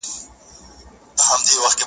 که بل څوک پر تا مین وي د خپل ځان لري غوښتنه؛